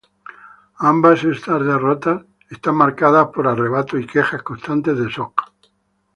Ambas estas derrotas están marcadas por arrebatos y quejas constantes de Sock.